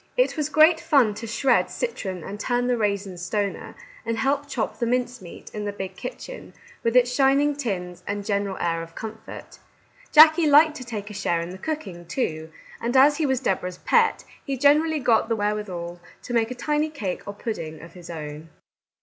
It was great fun to shred citron and turn the raisin stoner, and help chop the mince meat, in the big kitchen, with its shining tins, and general air of comfort. Jackie liked to take a share in the cooking, too, and as he was Deborah's pet, he generally got the wherewithal to make a tiny cake or pudding of his own.